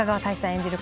演じる